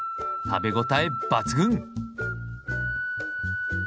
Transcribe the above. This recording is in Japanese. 食べ応え抜群！